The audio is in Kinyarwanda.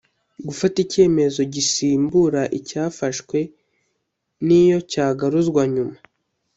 gufata icyemezo gisimbura icyafashwe n’iyo cyagaruzwa nyuma